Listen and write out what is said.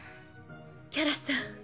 キャラさん。